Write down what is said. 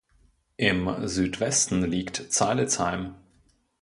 Im Südwesten liegt Zeilitzheim.